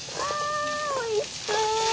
おいしそう。